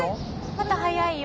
まだ早いよ。